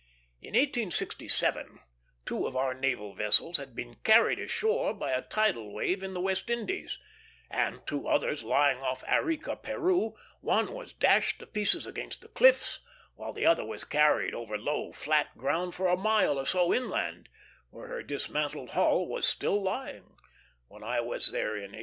In 1867 two of our naval vessels had been carried ashore by a tidal wave in the West Indies; and of two others lying off Arica, Peru, one was dashed to pieces against the cliffs, while the other was carried over low, flat ground for a mile or so inland, where her dismantled hull was still lying when I was there in 1884.